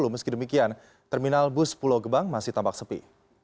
meski demikian terminal bus pulau gebang masih tampak sepi